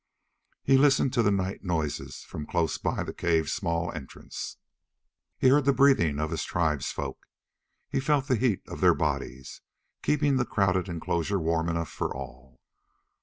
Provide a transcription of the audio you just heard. He listened to the night noises from close by the cave's small entrance. He heard the breathing of his tribesfolk. He felt the heat of their bodies, keeping the crowded enclosure warm enough for all.